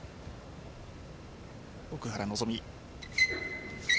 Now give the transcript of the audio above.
奥原希望。